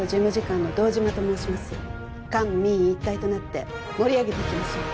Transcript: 官民一体となって盛り上げていきましょう